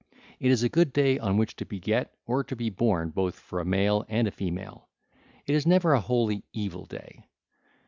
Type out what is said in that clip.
It is a good day on which to beget or to be born both for a male and a female: it is never an wholly evil day.